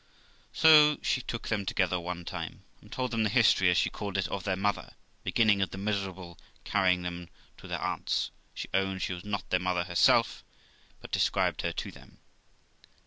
So she took them together one time, and told them the history, as she called it, of their mother, beginning at the miserable carrying them to their aunt's; she owned she was not their mother herself, but described her to them.